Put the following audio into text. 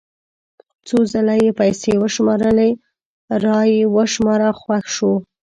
څو ځله یې پیسې وشمارلې را یې وشماره خوښ شو.